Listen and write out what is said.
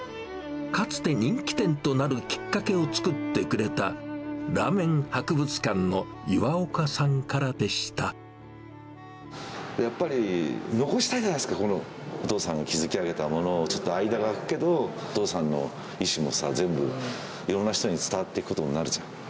かつて人気店となるきっかけを作ってくれた、ラーメン博物館の岩やっぱり残したいじゃないですか、この、お父さんが築き上げたものを、ちょっと間が空くけど、お父さんの意志も全部、いろんな人に伝わっていくことになるじゃん。